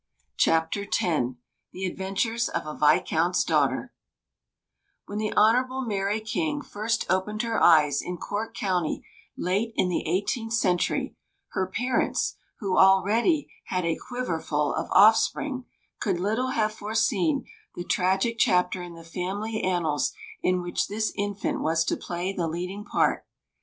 CHAPTER X THE ADVENTURES OF A VISCOUNT'S DAUGHTER When the Hon. Mary King first opened her eyes in Cork County late in the eighteenth century, her parents, who already had a "quiverful" of offspring, could little have foreseen the tragic chapter in the family annals in which this infant was to play the leading part.